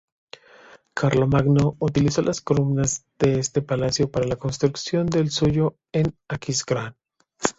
Carlomagno utilizó las columnas de este palacio para la construcción del suyo en Aquisgrán.